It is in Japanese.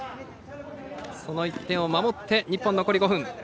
その１点を守って日本残り５分。